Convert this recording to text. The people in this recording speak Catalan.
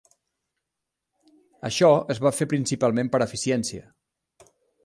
Això es va fer principalment per eficiència.